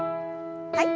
はい。